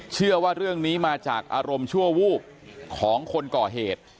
เชื่อว่าเรื่องนี้มาจากอารมณ์ชั่ววูบของคนก่อเหตุ